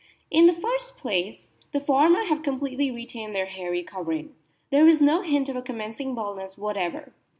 In the first place the former have completely retained their hairy covering. There is no hint of a commencing baldness whatever.